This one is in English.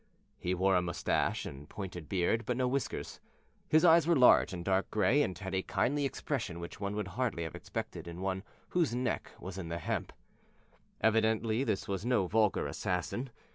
He wore a mustache and pointed beard, but no whiskers; his eyes were large and dark gray, and had a kindly expression which one would hardly have expected in one whose neck was in the hemp. Evidently this was no vulgar assassin.